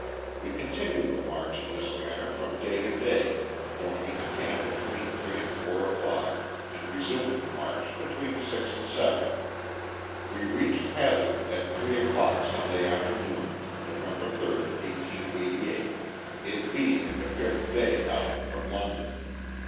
We continued the march in this manner from day to day, going into camp between 3 and 4 o'clock, and resuming the march between 6 and 7. We reached Hazard at three o'clock Sunday afternoon, November 3rd, 1888, it being the fifth day out from London.